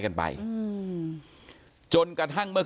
ก็ได้รู้สึกว่ามันกลายเป้าหมาย